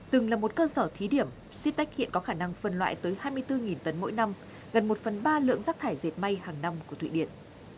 từng là một cơ sở thí điểm sitek hiện có khả năng phân loại tới hai mươi bốn tấn mỗi năm gần một phần ba lượng rác thải diệt may hàng năm của thụy điển